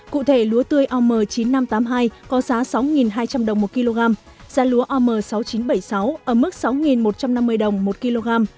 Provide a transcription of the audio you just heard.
cụ thể lúa tươi om chín nghìn năm trăm tám mươi hai có giá sáu hai trăm linh đồng một kg giá lúa om sáu nghìn chín trăm bảy mươi sáu ở mức sáu một trăm năm mươi đồng một kg